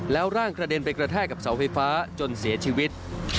แล้วร่างกระเด็นไปกระแทกกับเสาไฟฟ้าจนเสียชีวิต